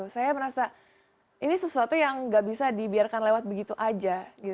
saya merasa ini sesuatu yang gak bisa dibiarkan lewat begitu aja